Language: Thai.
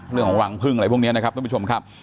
เรื่องของรังพึ่งอะไรพวกนี้นะครับท่านผู้ชมครับ